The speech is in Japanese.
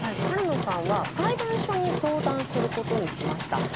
晴野さんは裁判所に相談することにしました。